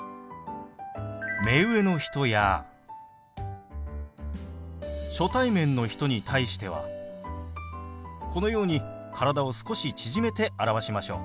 目上の人や初対面の人に対してはこのように体を少し縮めて表しましょう。